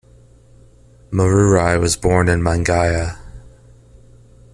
Marurai was born in Mangaia.